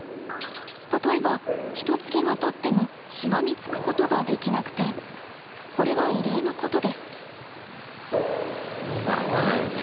例えばひとつきがたってもしがみつくことができなくてこれは異例のことです。